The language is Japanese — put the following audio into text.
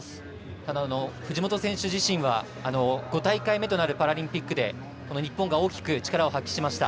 ただ、藤本選手自身は５大会目となるパラリンピックでこの日本が大きく力を発揮しました。